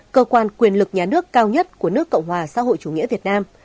cơ quan quyền lực nhà nước cao nhất của nước cộng hòa xã hội chủ nghĩa việt nam